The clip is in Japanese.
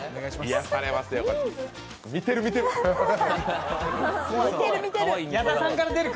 見てる、見てる。